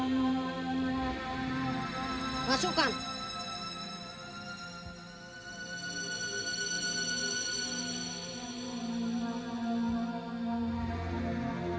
nah pertukar tanganmu